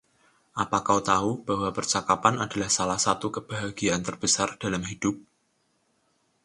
Apa kau tahu bahwa percakapan adalah salah satu kebahagiaan terbesar dalam hidup?